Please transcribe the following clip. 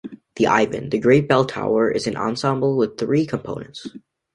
The Ivan the Great Bell Tower is an ensemble with three components.